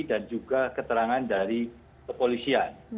dan juga keterangan dari kepolisian